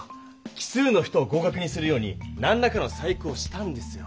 奇数の人を合かくにするようになんらかの細工をしたんですよ。